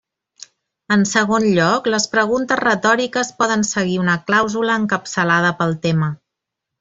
En segon lloc, les preguntes retòriques poden seguir una clàusula encapçalada pel tema.